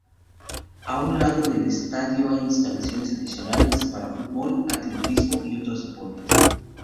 A un lado del estadio hay instalaciones adicionales para fútbol, atletismo y otros deportes.